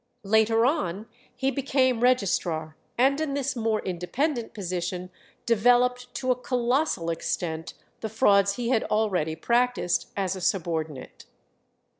Later on he became registrar, and in this more independent position developed to a colossal extent the frauds he had already practised as a subordinate.